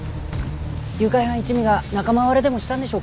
誘拐犯一味が仲間割れでもしたんでしょうかね？